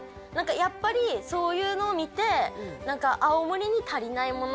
やっぱりそういうのを見て青森に足りないもの